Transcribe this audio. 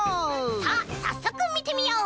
さあさっそくみてみよう！